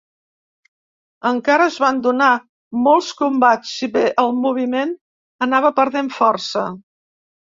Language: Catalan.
Encara es van donar molts combats, si bé el moviment anava perdent força.